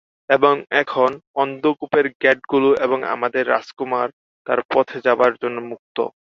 এবং এখন, অন্ধ্কুপের গেটগুলো এবং আমাদের রাজকুমার তার পথে যাবার জন্য মুক্ত।